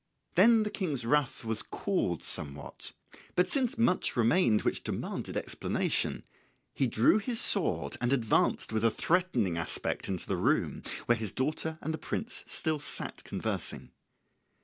Then the King's wrath was cooled somewhat; but since much remained which demanded explanation he drew his sword and advanced with a threatening aspect into the room where his daughter and the prince still sat conversing.